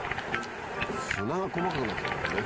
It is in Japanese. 砂が細かくなっちゃってるよね。